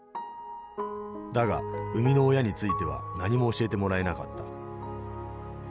だが生みの親については何も教えてもらえなかった。